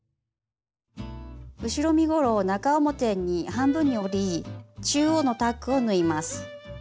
後ろ身ごろを中表に半分に折り中央のタックを縫います。